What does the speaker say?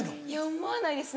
思わないです。